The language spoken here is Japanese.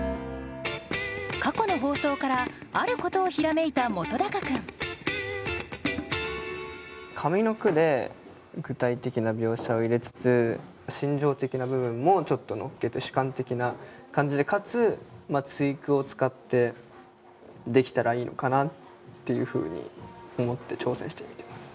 過去の放送からあることをひらめいた本君上の句で具体的な描写を入れつつ心情的な部分もちょっと乗っけて主観的な感じでかつ対句を使ってできたらいいのかなっていうふうに思って挑戦してみてます。